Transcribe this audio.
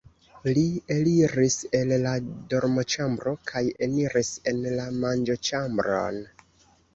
Li eliris el la dormoĉambro kaj eniris en la manĝoĉambron.